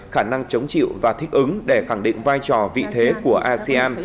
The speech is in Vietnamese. khả năng chống chịu và thích ứng để khẳng định vai trò vị thế của asean